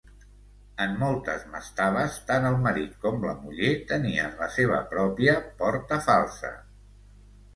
En moltes mastabes, tant el marit com la muller tenien la seva pròpia porta falsa.